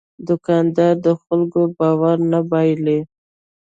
دوکاندار د خلکو باور نه بایلي.